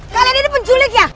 kalian ini penculik ya